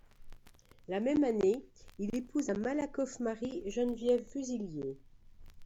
La même année, il épouse à Malakoff Marie Geneviève Fusillier.